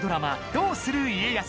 「どうする家康」。